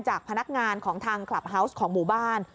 จากพนักงานของทางคลับเฮาวส์ของหมู่บ้าน